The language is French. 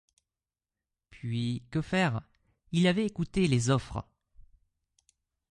Puis, que faire? il avait écouté les offres.